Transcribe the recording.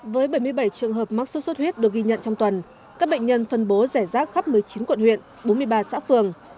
với bảy mươi bảy trường hợp mắc sốt xuất huyết được ghi nhận trong tuần các bệnh nhân phân bố rẻ rác khắp một mươi chín quận huyện bốn mươi ba xã phường